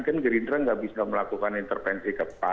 kan gerindra nggak bisa melakukan intervensi ke pan